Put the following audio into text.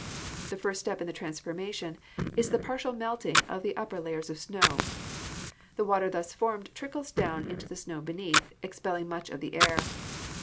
The first step in the transformation is the partial melting of the upper layers of snow. The water thus formed trickles down into the snow beneath, expelling much of the air.